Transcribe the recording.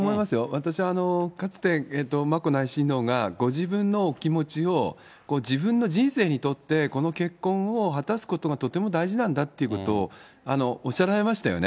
私、かつて眞子内親王がご自分のお気持ちを、自分の人生にとって、この結婚を果たすことがとても大事なんだということをおっしゃられましたよね。